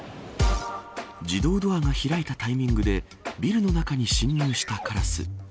自動ドアが開いたタイミングでビルの中に進入したカラス。